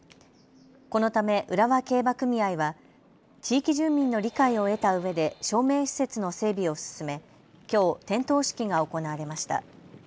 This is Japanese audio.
このため浦和競馬組合は地域住民の理解を得たうえで照明施設の整備を進めきょう点灯式が行われました。